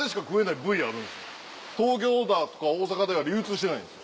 東京だとか大阪では流通してないんです。